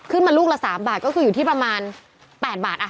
ลูกละ๓บาทก็คืออยู่ที่ประมาณ๘บาท